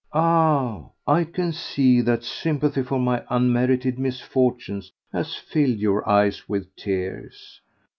Ah! I can see that sympathy for my unmerited misfortunes has filled your eyes with tears.